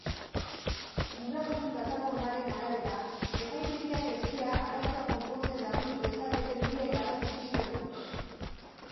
Gurasoen plataformaren arabera, epaitegiak ez dira arazoa konpontzen lagundu dezaketen bide garrantzitsuena.